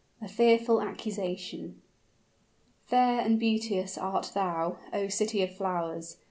A FEARFUL ACCUSATION. Fair and beauteous art thou, O City of Flowers!